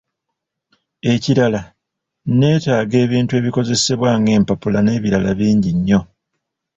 Ekirala netaaga ebintu ebikozesebwa ng'empapula n'ebirala bingi nnyo.